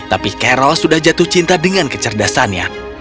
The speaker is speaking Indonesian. tapi carol sudah jatuh cinta dengan kecerdasannya